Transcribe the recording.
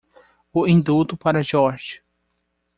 O indulto para George.